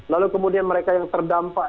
lalu kemudian mereka yang terdampak